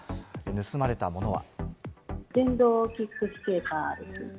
盗まれたものは。